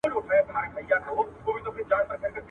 او که هسي شین امي نیم مسلمان یې.